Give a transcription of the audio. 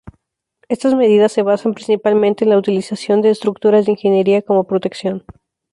Estas medidas se basan principalmente en la utilización de estructuras de ingeniería como protección.